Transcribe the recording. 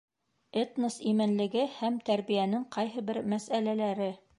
Этнос именлеге һәм тәрбиәнең ҡайһы бер мәсьәләләре.